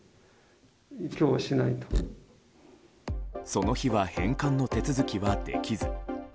その日は返還の手続きはできず。